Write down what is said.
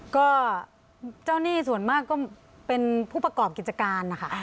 ก็เจ้าหนี้ส่วนมากก็เป็นผู้ประกอบกิจการนะคะ